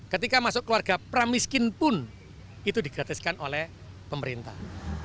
ketika masuk keluarga pramiskin pun itu digratiskan oleh pemerintah